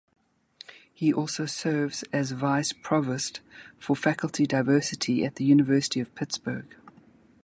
He also serves as Vice Provost for Faculty Diversity at the University of Pittsburgh.